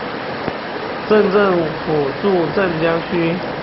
镇政府驻镇江圩。